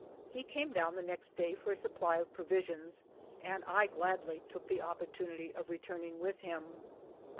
He came down the next day for a supply of provisions, and I gladly took the op portunity of returning with him.